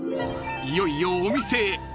［いよいよお店へ］